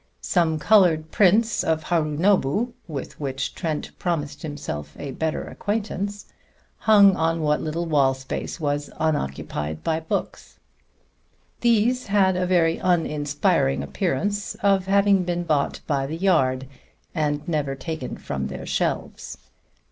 Some colored prints of Harunobu, with which Trent promised himself a better acquaintance, hung on what little wall space was unoccupied by books. These had a very uninspiring appearance of having been bought by the yard and never taken from their shelves.